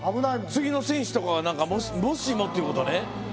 次の選手とかが何かもしもっていうことね